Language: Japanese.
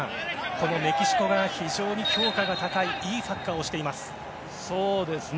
このメキシコが非常に評価が高いいいサッカーをしています。